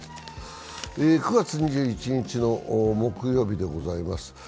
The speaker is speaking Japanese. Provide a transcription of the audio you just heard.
９月２１日の木曜日でございます。